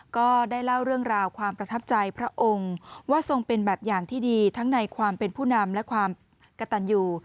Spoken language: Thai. ก็ได้เล่าเรื่องราวความประทับใจพระองค์ว่าทรงเป็นแบบอย่างที่ดีทั้งในความเป็นผู้นำและความกระตันอยู่